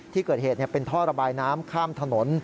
ที่เกิดเหตุเป็นท่อระบายน้ำข้ามถนน